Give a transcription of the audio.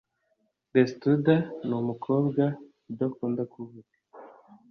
Resituda ni umukobwa udakunda kuvuga